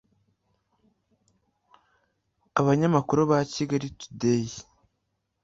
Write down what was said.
Abanyamakuru ba Kigali Today